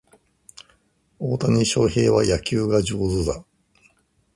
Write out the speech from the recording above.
大谷翔平は野球が上手だ